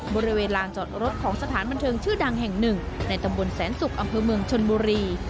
บริเวณลานจอดรถของสถานบันเทิงชื่อดังแห่งหนึ่งในตำบลแสนศุกร์อำเภอเมืองชนบุรี